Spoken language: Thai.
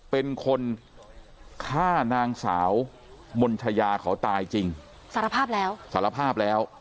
เป็นคนฆ่านางสาวมนชายาเขาตายจริงสารภาพแล้วสารภาพแล้ว